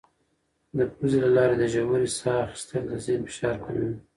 د پوزې له لارې د ژورې ساه اخیستل د ذهن فشار کموي.